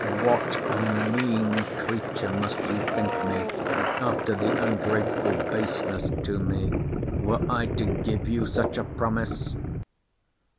—What a mean creature must you think me, after the ungrateful baseness to me, were I to give you such a promise?